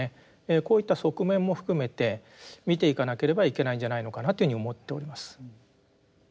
こういった側面も含めて見ていかなければいけないんじゃないのかなというふうに思っております。